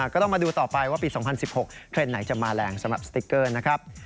ก็ต้องมาดูต่อไปว่าปี๒๐๑๖เทรนด์ไหนจะมาแรงสำหรับสติ๊กเกอร์นะครับ